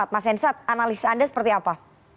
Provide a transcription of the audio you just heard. mas hensat analis anda seperti apa